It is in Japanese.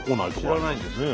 知らないんですけど。